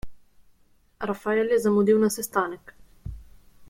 Rafael je zamudil na sestanek.